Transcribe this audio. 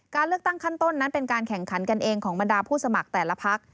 การเลือกตั้งขั้นต้นนั้นเป็นการแข่งขันกันเองของบรรดาผู้สมัครแต่ละพัก